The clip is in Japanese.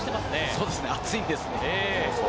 そうですね、暑いんです。